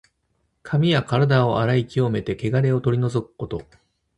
髪やからだを洗い清めて、けがれを取り除くこと。